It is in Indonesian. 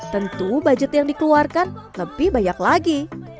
tentu budget yang dikeluarkan lebih banyak lagi